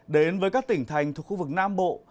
đến với các tỉnh thành thuộc khu vực nam bộ